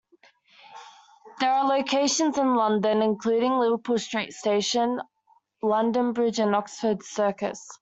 There are locations in London including Liverpool Street station, London Bridge and Oxford Circus.